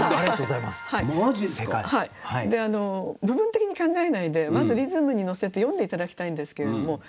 部分的に考えないでまずリズムに乗せて読んで頂きたいんですけれども。